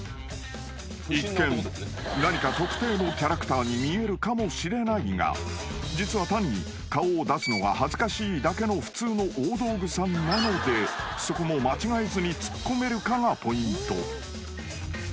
［一見何か特定のキャラクターに見えるかもしれないが実は単に顔を出すのが恥ずかしいだけの普通の大道具さんなのでそこも間違えずにツッコめるかがポイント］